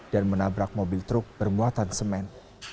dan menabrak mobil truk bermuatan semen